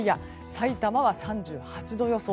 さいたまは３８度予想。